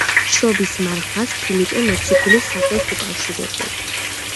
შობის მარხვას ფილიპე მოციქულის სახელს უკავშირებენ.